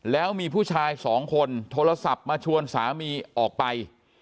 แล้วมีผู้ชายสองคนโทรศัพท์มาชวนสามีออกไป